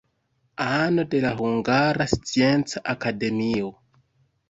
Ano de la Hungara Scienca Akademio.